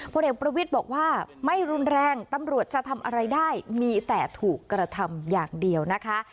ผลเอกประวิทย์บอกว่าไม่รุนแรงตำรวจจะทำอะไรได้มีแต่ถูกกระทำอย่างเดียวนะคะ